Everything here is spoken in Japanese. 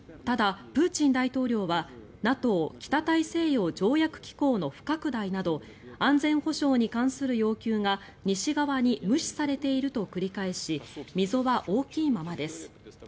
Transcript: ただ、プーチン大統領はＮＡＴＯ・北大西洋条約機構の不拡大など安全保障に関する要求が西側に無視されていると繰り返し、溝は大きいままです。